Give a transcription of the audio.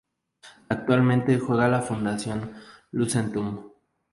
Actualmente juega la Fundación Lucentum.